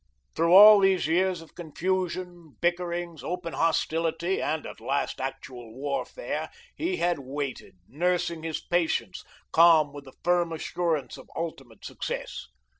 Through all these years of confusion, bickerings, open hostility and, at last, actual warfare he had waited, nursing his patience, calm with the firm assurance of ultimate success.